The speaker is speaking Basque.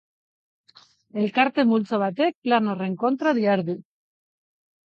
Elkarte multzo batek plan horren kontra dihardu.